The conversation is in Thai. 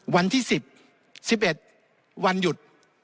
วันที่๑๐๑๑วันหยุด